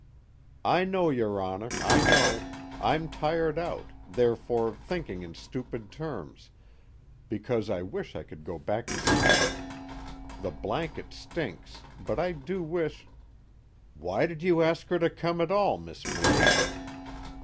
_I know, your Honor, I know; I'm tired out, therefore thinking in stupid terms, because I wish I could go back to sleep. The blanket stinks, but I do wish_ _WHY DID YOU ASK HER TO COME AT ALL, MISS BLAKE?